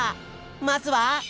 まずは。